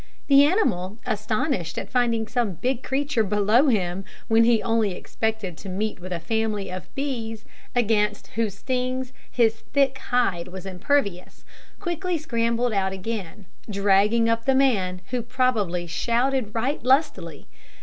The animal, astonished at finding some big creature below him, when he only expected to meet with a family of bees, against whose stings his thick hide was impervious, quickly scrambled out again, dragging up the man, who probably shouted right lustily.